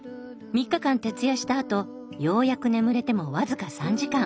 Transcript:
３日間徹夜したあとようやく眠れても僅か３時間。